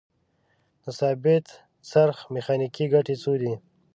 د ثابت څرخ میخانیکي ګټې څو دي؟